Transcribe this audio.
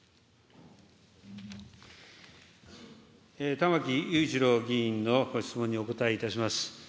玉木雄一郎議員のご質問にお答えいたします。